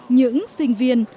những sinh viên